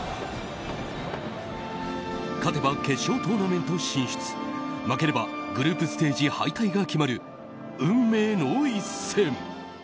勝てば決勝トーナメント進出負ければグループステージ敗退が決まる運命の一戦。